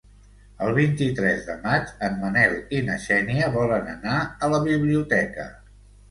El vint-i-tres de maig en Manel i na Xènia volen anar a la biblioteca.